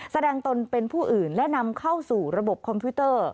ตนเป็นผู้อื่นและนำเข้าสู่ระบบคอมพิวเตอร์